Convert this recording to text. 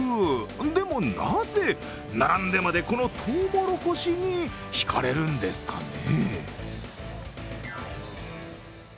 でも、なぜ並んでまでこのトウモロコシにひかれるんですかね？